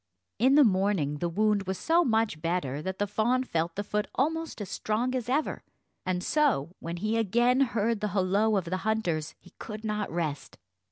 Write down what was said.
In the morning the wound was so much better that the fawn felt the foot almost as strong as ever, and so, when he again heard the holloa of the hunters, he could not rest.